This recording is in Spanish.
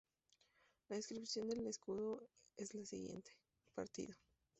La descripción del escudo es la siguiente: "Partido.